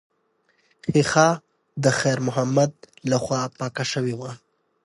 ښیښه د خیر محمد لخوا پاکه شوې وه.